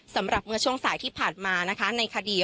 สำหรับเมื่อช่วงสายที่ผ่านมานะคะในคดี